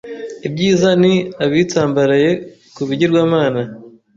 Ibyiza ni abatsimbaraye ku bigirwamana